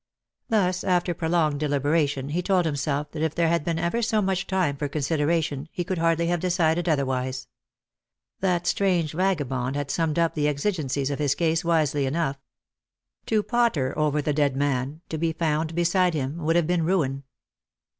Thus, after prolonged deliberation, he told himself that if there had been ever so much time for consideration, he could hardly have decided otherwise. That strange vagabond had summed up the exigencies of his case wisely enough. To potter over the dead man, to be found beside him, would have been ruin.